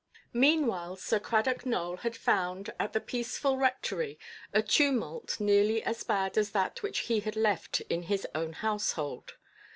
Meanwhile Sir Cradock Nowell had found, at the peaceful Rectory, a tumult nearly as bad as that which he had left in his own household.